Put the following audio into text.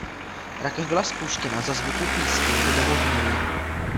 Rakev byla spuštěna za zvuků písně Kde domov můj.